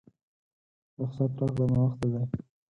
رخصت راکړه ناوخته دی!